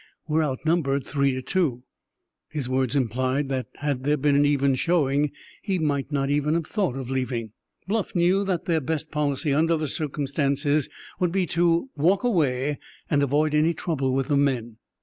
"We're outnumbered three to two." His words implied that had there been an even showing he might not have thought of leaving. Bluff knew that their best policy under the circumstances would be to walk away and avoid any trouble with the men.